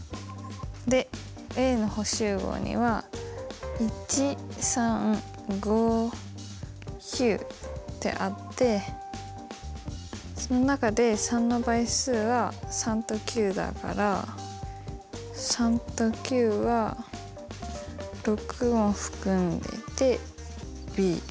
でＡの補集合には１３５９ってあってその中で３の倍数は３と９だから３と９は６を含んでてＢ。